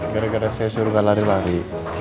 gara gara saya suruh kak lari lari